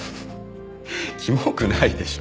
キモくないでしょ。